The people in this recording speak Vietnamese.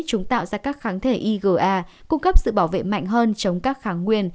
chúng tạo ra các kháng thể iga cung cấp sự bảo vệ mạnh hơn chống các kháng nguyên